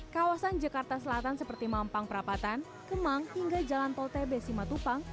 kawasan jakarta selatan seperti mampang perapatan kemang hingga jalan polte besima tupang